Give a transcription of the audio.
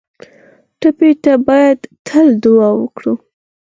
ټپي ته باید تل دعا وکړو